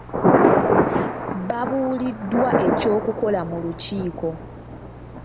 Babuuliddwa eky'okukola mu lukiiko.